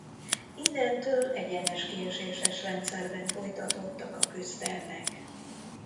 Innentől egyenes kieséses rendszerben folytatódtak a küzdelmek.